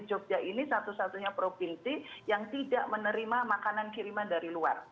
termasuk salah satunya di jogja ini satu satunya provinsi yang tidak menerima makanan kiriman dari luar